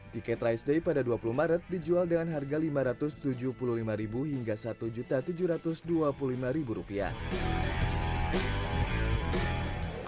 tiket rice day pada dua puluh maret dijual dengan harga lima ratus tujuh puluh lima hingga satu tujuh ratus dua puluh lima rupiah